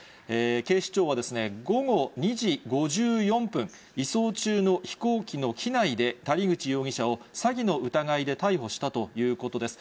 警視庁は、午後２時５４分、移送中の飛行機の機内で、谷口容疑者を詐欺の疑いで逮捕したということです。